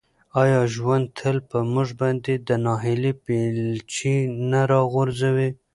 آیا ژوند تل په موږ باندې د ناهیلۍ بیلچې نه راغورځوي؟